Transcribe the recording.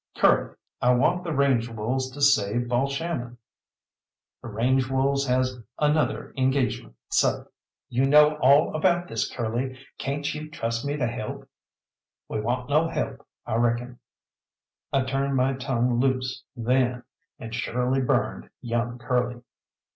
"Curly, I want the range wolves to save Balshannon." "The range wolves has another engagement, seh." "You know all about this, Curly! Cayn't you trust me to help?" "We want no help, I reckon." I turned my tongue loose then, and surely burned young Curly.